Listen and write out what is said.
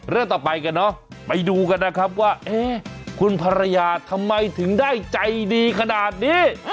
เรื่องต่อไปกันเนอะไปดูกันนะครับว่าคุณภรรยาทำไมถึงได้ใจดีขนาดนี้